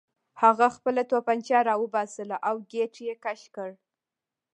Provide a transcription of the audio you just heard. هغه خپله توپانچه راوباسله او ګېټ یې کش کړ